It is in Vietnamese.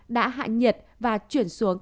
đã hạ nhiệt và chuyển xuống